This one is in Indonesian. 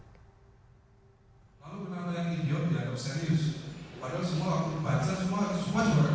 lalu benar benar yang idiot dianggap serius padahal semua bahasa semua semua juga terkawal